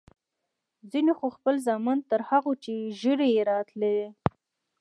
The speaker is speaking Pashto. ځينو خو خپل زامن تر هغو چې ږيرې يې راتلې.